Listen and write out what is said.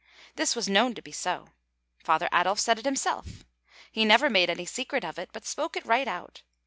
This was known to be so. Father Adolf said it himself. He never made any secret of it, but spoke it right out.